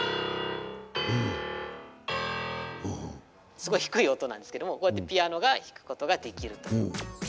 すごい低い音なんですけれども、こうやってピアノが弾くことができると。